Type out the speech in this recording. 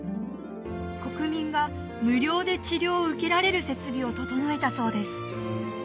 国民が無料で治療を受けられる設備を整えたそうです